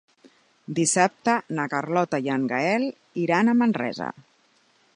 Dissabte na Carlota i en Gaël iran a Manresa.